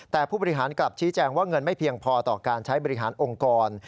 แต่ผู้บริหารกลับชี้แจงว่าเงินไม่เพียงพอต่อการใช้บริหารองค์กร